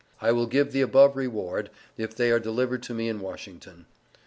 I will give the above reward if they are delivered to me in Washington.